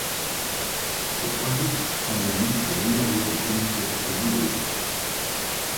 Ces trois titres font de lui le meilleur joueur de tennis professionnel de l'époque.